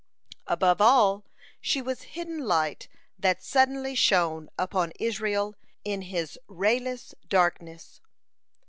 Above all she was the hidden light that suddenly shone upon Israel in his rayless darkness.